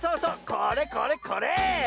これこれこれ！